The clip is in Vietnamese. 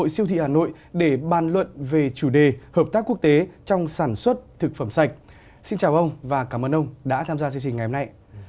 xin chào ông và cảm ơn ông đã tham gia chương trình ngày hôm nay